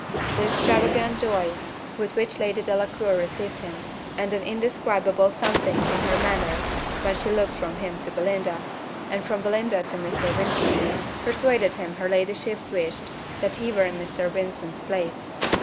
The extravagant joy with which Lady Delacour received him, and an indescribable something in her manner when she looked from him to Belinda, and from Belinda to Mr. Vincent, persuaded him her ladyship wished that he were in Mr. Vincent's place.